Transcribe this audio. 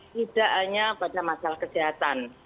tidak hanya pada masalah kesehatan